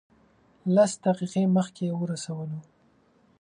لس دقیقې مخکې ورسولو.